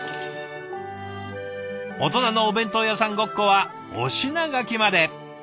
「大人のお弁当屋さん“ごっこ”」はお品書きまで。